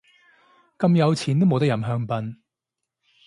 咁有錢都冇得飲香檳